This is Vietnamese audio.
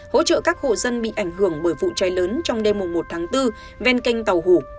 hỗ trợ các hộ dân bị ảnh hưởng bởi vụ cháy lớn trong đêm một tháng bốn ven kênh tàu hủ